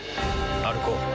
歩こう。